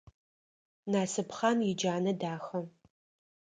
Насыпхъан иджанэ дахэ.